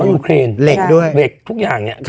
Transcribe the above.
ยูเครนเหล็กด้วยเหล็กทุกอย่างเนี่ย